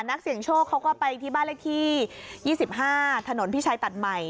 นักเสี่ยงโชคเขาก็ไปที่บ้านเลขที่๒๕ถนนพิชัยตัดใหม่